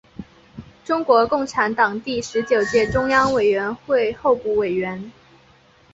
中国共产党第十九届中央委员会候补委员。